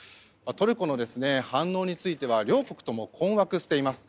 トルコの反応については両国とも困惑しています。